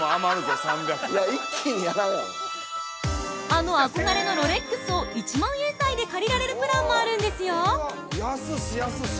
◆あの憧れのロレックスを１万円台で借りられるプランもあるんですよ！